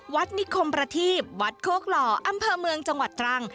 นิคมประทีบวัดโคกหล่ออำเภอเมืองจังหวัดตรัง